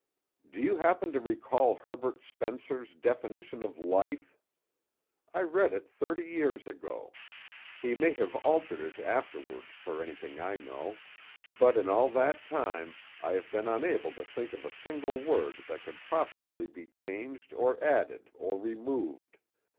"Do you happen to recall Herbert Spencer's definition of 'Life'? I read it thirty years ago. He may have altered it afterward, for anything I know, but in all that time I have been unable to think of a single word that could profitably be changed or added or removed.